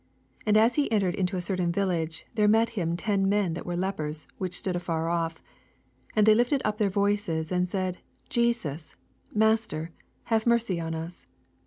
12 And as he entered into a certain village, there met him ten men that were lepers, which stood afar off : 13 And they lifted up tlieir voices, and said, Jesus, Master, have mercy on us.